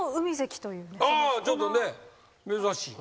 ちょっとね珍しい。